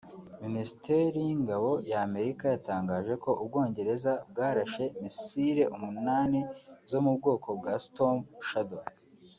Minisiteri y’Ingabo ya Amerika yatangaje ko u Bwongereza bwarashe missile umunani zo mu bwoko bwa Storm Shadow